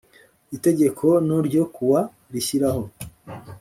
itegeko no ryo ku wa rishyiraho